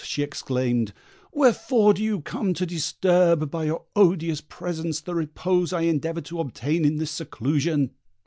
she exclaimed. "Wherefore do you come to disturb by your odious presence the repose I endeavour to obtain in this seclusion?"